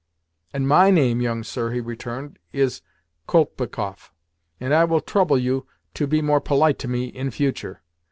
"And MY name, young sir," he returned, "is Kolpikoff, and I will trouble you to be more polite to me in future.